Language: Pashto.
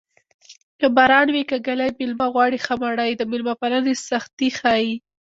که باران وي که ږلۍ مېلمه غواړي ښه مړۍ د مېلمه پالنې سختي ښيي